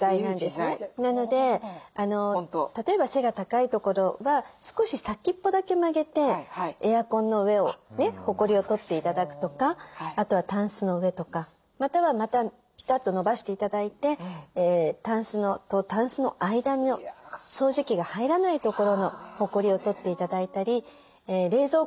なので例えば背が高いところは少し先っぽだけ曲げてエアコンの上をねほこりを取って頂くとかあとはタンスの上とかまたはピタッと伸ばして頂いてタンスとタンスの間の掃除機が入らないところのほこりを取って頂いたり冷蔵庫の下とかですね。